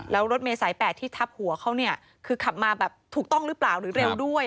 แล้วรถเมษาย๘ที่ทับหัวเขาเนี่ยคือขับมาแบบถูกต้องหรือเปล่าหรือเร็วด้วย